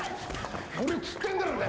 乗れっつってんだろうが！